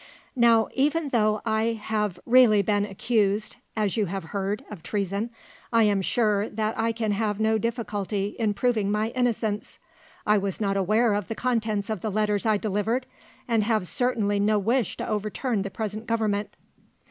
Now, even though I have really been accused, as you have heard, of treason, I am sure that I can have no difficulty in proving my innocence. I was not aware of the contents of the letters I delivered, and have certainly no wish to overturn the present Government."